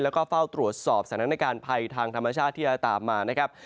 แล้วก็เฝ้าตรวจสอบสถานการณ์ภัยทางธรรมชาติที่จะตามมานะครับ